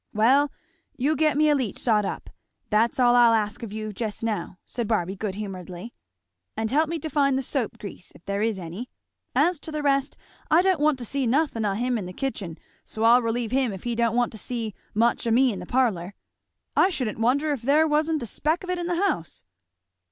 "Well you get me a leach sot up that's all I'll ask of you just now," said Barby good humouredly; "and help me to find the soap grease, if there is any. As to the rest, I don't want to see nothin' o' him in the kitchen so I'll relieve him if he don't want to see much o' me in the parlour. I shouldn't wonder if there wa'n't a speck of it in the house."